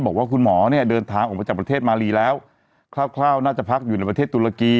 บอกว่าคุณหมอเนี่ยเดินทางออกมาจากประเทศมาลีแล้วคร่าวน่าจะพักอยู่ในประเทศตุรกี